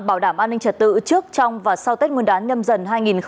bảo đảm an ninh trật tự trước trong và sau tết nguyên đán nhâm dần hai nghìn hai mươi